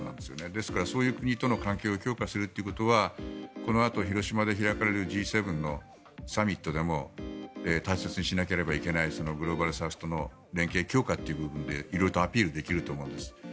なので、そういう国との関係を強化するということはこのあと広島で開かれるＧ７のサミットでも大切にしなければいけないグローバルサウスとの連携強化という部分で色々とアピールできると思うんです。